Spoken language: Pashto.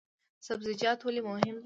سبزیجات ولې مهم دي؟